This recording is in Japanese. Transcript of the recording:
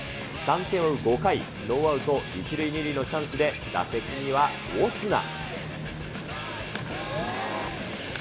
３点を追う５回、ノーアウト１塁２塁のチャンスで打席にはオスナ。